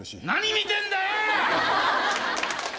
何見てんだよ！